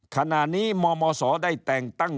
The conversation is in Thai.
ขณะนี้มมศได้แต่งตั้ง